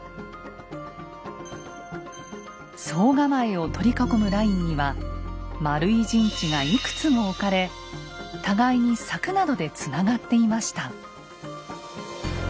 総構を取り囲むラインには丸い陣地がいくつも置かれ互いに柵などでつながっていました。